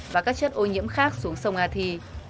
và các chất ô nhiễm khác xuống sông athi